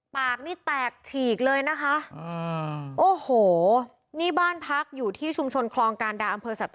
ปากนี่แตกฉีกเลยนะคะอ่าโอ้โหนี่บ้านพักอยู่ที่ชุมชนครองการดา